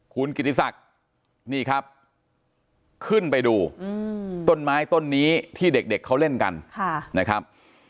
คุณกิติศักดิ์นี่ครับขึ้นไปดูต้นไม้ต้นนี้ที่เด็กเขาเล่นกันนะครับ